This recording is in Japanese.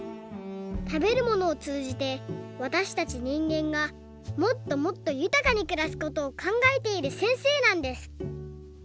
たべるものをつうじてわたしたちにんげんがもっともっとゆたかにくらすことをかんがえているせんせいなんです！